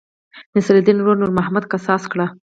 نصرالیدن ورور نور محمد قصاص کړ.